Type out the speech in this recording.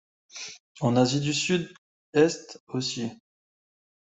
En Asie du sud-est aussi.